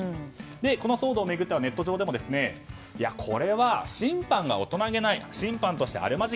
この騒動を巡ってはネット上ではこれは審判が大人げない。